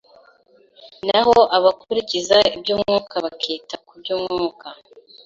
naho abakurikiza iby'umwuka, bakita ku by'umwuka.